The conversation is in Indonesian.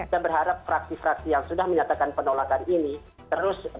kita berharap fraksi fraksi yang sudah menyatakan penolakan ini terus